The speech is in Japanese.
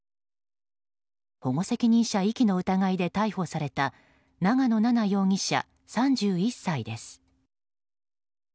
保護責任者遺棄の疑いで逮捕された長野奈々容疑者、３１歳です。